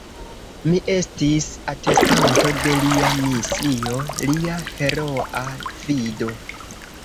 Mi estis atestanto de Lia misio, Lia heroa fido.